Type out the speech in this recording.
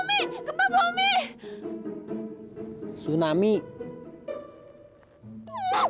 gepap bumi gepap bumi